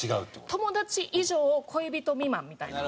友達以上恋人未満みたいな。